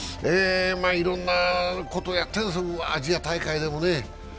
いろんなことをやってるんです、アジア大会でも。